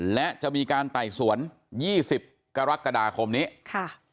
และจะมีการไต่สวนยี่สิบกรกฎาคมนี้ค่ะ